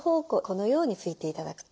このように拭いて頂く。